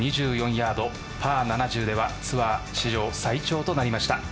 ヤードパー７０ではツアー史上最長となりました。